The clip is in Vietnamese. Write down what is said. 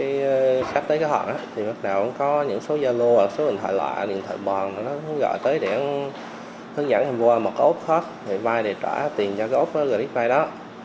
sau bảy ngày thì sắp tới kế hoạch thì bắt đầu ổng có những số gia lô số điện thoại loại điện thoại bòn nó gọi tới để ổng hướng dẫn ổng qua một cái ốp hot để vay để trả tiền cho cái ốp gửi bích vay đó